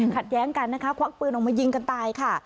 แย้งกันนะคะควักปืนออกมายิงกันตายค่ะ